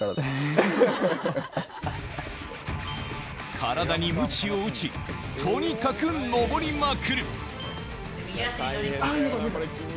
体にむちを打ち、とにかく登りまくる。